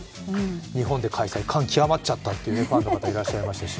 日本で開催、感極まっちゃったという日本のファンの方いらっしゃいましたし。